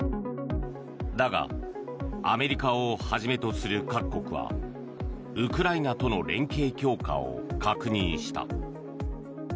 だがアメリカをはじめとする各国はウクライナとの連携強化を確認した。